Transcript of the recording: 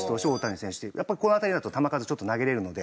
やっぱりこの辺りになると球数ちょっと投げられるので。